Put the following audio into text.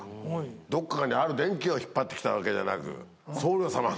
どっかにある電気を引っ張ってきたわけじゃなく、僧侶様が。